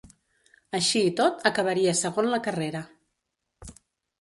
Així i tot, acabaria segon la carrera.